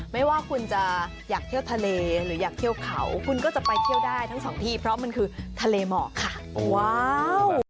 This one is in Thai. ไม่ว่าคุณจะอยากเที่ยวทะเลหรืออยากเที่ยวเขาคุณก็จะไปเที่ยวได้ทั้งสองที่เพราะมันคือทะเลหมอกค่ะว้าว